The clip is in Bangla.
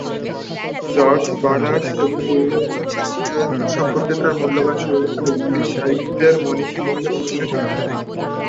জর্জ বার্নার্ড শ' এবং উইলিয়াম শেকসপিয়র সম্পর্কে তার মূল্যবান সমালোচনা ইংরেজি সাহিত্যের মনীষী মহলে প্রশংসিত।